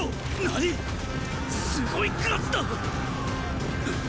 何っ⁉すごい数だ！っ！